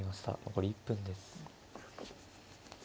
残り１分です。